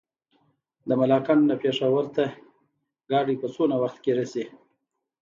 د ملاکنډ نه پېښور ته ګاډی په څومره وخت کې رسي؟